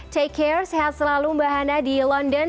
take care sehat selalu mbak hana di london